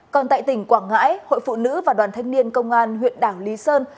còn tại tỉnh quảng ngãi hội phụ nữ và đoàn thanh niên công an huyện đảo lý sơn